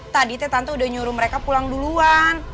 tadi tante udah nyuruh mereka pulang duluan